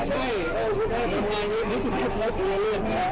ช่วยดาวของเขาด้วย